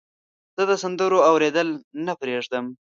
زه د سندرو اوریدل نه پرېږدم.